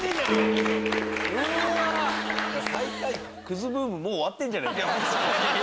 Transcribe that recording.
クズブームもう終わってんじゃない？